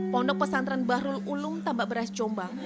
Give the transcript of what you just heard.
pondok pesantren bahrul ulum tambak beras comba